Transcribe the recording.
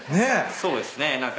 そうですね。何か。